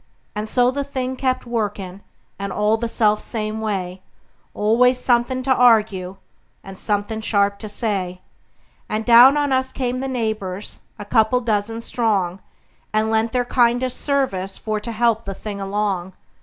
And so the thing kept workin', and all the self same way; Always somethin' to arg'e, and somethin' sharp to say; And down on us came the neighbors, a couple dozen strong, And lent their kindest sarvice for to help the thing along.